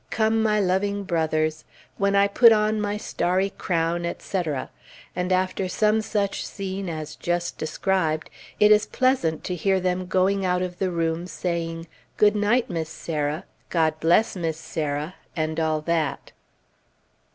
"Come, my loving brothers," "When I put on my starry crown," etc.; and after some such scene as that just described, it is pleasant to hear them going out of the room saying, "Good night, Miss Sarah!" "God bless Miss Sarah!" and all that.